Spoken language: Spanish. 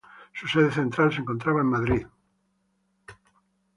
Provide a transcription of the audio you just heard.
Su sede central se encontraba en Madrid.